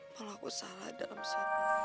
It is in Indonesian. kalau aku salah dalam si